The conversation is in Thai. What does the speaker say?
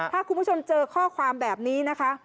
ถ้าคุณผู้ชมเจอข้อความแบบนี้นะคะ